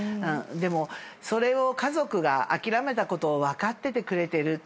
でもそれを家族が諦めたことを分かっててくれてる。